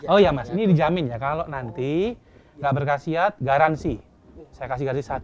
oh iya mas ini dijamin ya kalau nanti gak berkasiat garansi saya kasih gaji satu